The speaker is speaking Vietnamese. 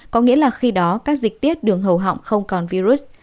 có nghĩa là khi đó các dịch tiết đường hầu họng không còn virus